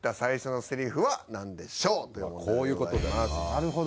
なるほどね。